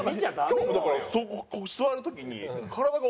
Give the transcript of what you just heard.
今日もだからここ座る時に。